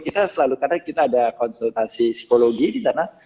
kita selalu karena kita ada konsultasi psikologi di sana